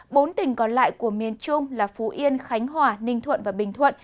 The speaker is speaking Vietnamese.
bốn tỉnh còn lại của miền trung là phú yên khánh hòa ninh thuận và bình thuận